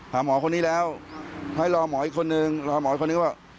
หาหมอคนนี้แล้วให้รอหมออีกคนนึงรอหมออีกคนนึงว่า